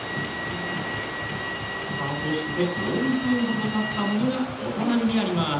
さあそして４分ほどたったものがお隣にあります。